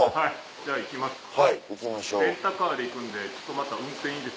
じゃあ行きます？